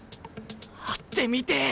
会ってみてえ。